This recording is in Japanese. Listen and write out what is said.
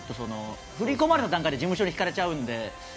振り込まれた段階で事務所に引かれちゃうので。